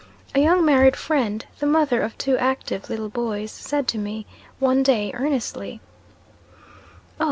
A young married friend, the mother of two active little boys, said to me, one day, earnestly, "Oh!